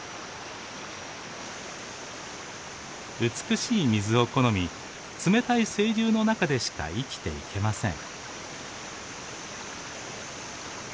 美しい水を好み冷たい清流の中でしか生きていけません。